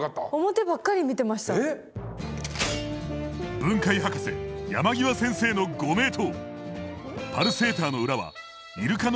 分解ハカセ山際先生のご名答。